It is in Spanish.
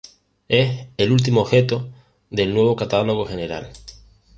Es el último objeto del Nuevo Catálogo General.